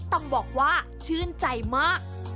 ต้องบอกว่าชื่นใจมาก